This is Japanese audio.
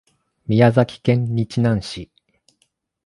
宮崎県日南市